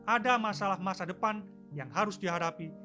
ada masalah masa depan yang harus dihadapi